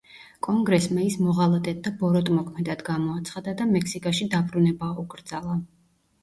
კონგრესმა ის მოღალატედ და ბოროტმოქმედად გამოაცხადა და მექსიკაში დაბრუნება აუკრძალა.